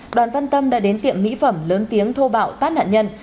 công an văn tâm đã đến tiệm mỹ phẩm lớn tiếng thô bạo tát nạn nhân